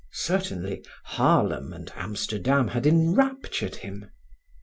Certainly, Haarlem and Amsterdam had enraptured him.